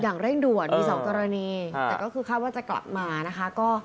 อย่างเร่งด่วนมี๒กรณีแต่ก็คือคาดว่าจะกลับมานะคะ